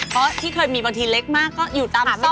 เพราะที่เคยมีบางทีเล็กมากก็อยู่ตามแม่